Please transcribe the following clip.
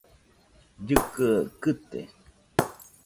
Llɨkɨaɨ kɨte.